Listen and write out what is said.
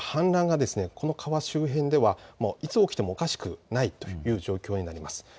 氾濫がこの川周辺ではいつ起きてもおかしくないという状況になります。